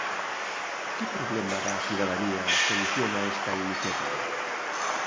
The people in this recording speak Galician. ¿Que problema da cidadanía soluciona esta iniciativa?